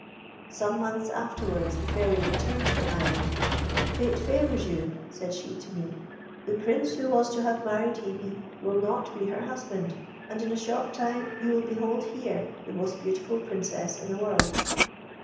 Some months afterwards the Fairy returned to the island. 'Fate favours you,' said she to me: 'the Prince who was to have married Hebe will not be her husband, and in a short time you will behold here the most beautiful Princess in the world.'"